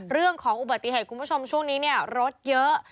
เรื่องของอุบัติเหตุคุณผู้ชมช่วงนี้เนี่ยรถเยอะ